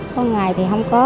con ngày thì không có